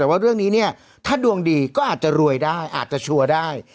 แต่ว่าเรื่องนี้เนี่ยถ้าดวงดีก็อาจจะรวยได้อาจจะชัวร์ได้